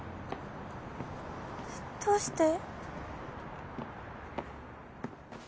どうして？